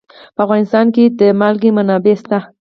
په افغانستان کې د نمک منابع شته.